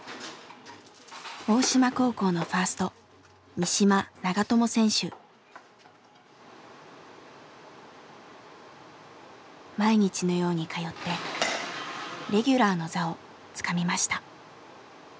大島高校の毎日のように通ってレギュラーの座をつかみました。